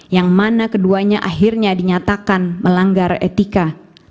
yang mana keduanya akhirnya dinyatakan melanggar etika